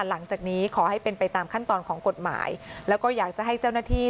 หลังจากนี้ขอให้เป็นไปตามขั้นตอนของกฎหมายแล้วก็อยากจะให้เจ้าหน้าที่